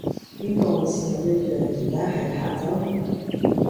邊個好似我一樣而家喺琶洲